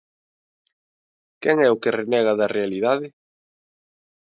¿Quen é o que renega da realidade?